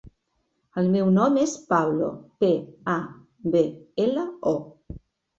El meu nom és Pablo: pe, a, be, ela, o.